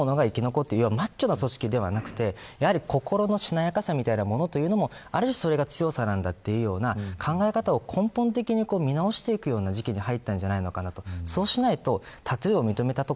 それに対して、これからの自衛隊は強い者が生き残るマッチョな組織ではなくて心のしなやかさみたいなものもある種それが強さなんだというような考え方を根本的に見直していくような時期に入ったんじゃないかなと。